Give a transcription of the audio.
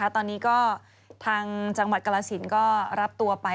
ตอนนี้ก็ทางจังหวัดกรสินก็รับตัวไป